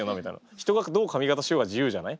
人がどう髪形しようが自由じゃない？